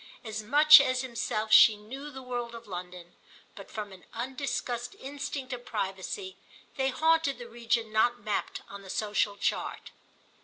As much as himself she knew the world of London, but from an undiscussed instinct of privacy they haunted the region not mapped on the social chart.